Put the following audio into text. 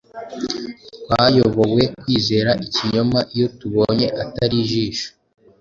Twayobowe Kwizera Ikinyoma Iyo tubonye atari Ijisho